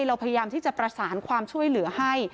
เราพยายามที่จะประสานความช่วยเหลือให้